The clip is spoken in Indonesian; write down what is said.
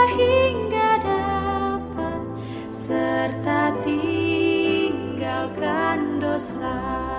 hingga dapat serta tinggalkan dosa